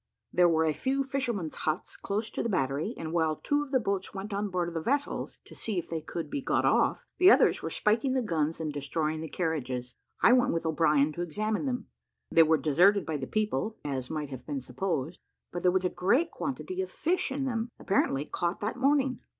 There were a few fishermen's huts close to the battery; and while two of the boats went on board of the vessels, to see if they could be got off, and others were spiking the guns and destroying the carriages, I went with O'Brien to examine them: they were deserted by the people, as might have been supposed, but there was a great quantity of fish in them, apparently caught that morning.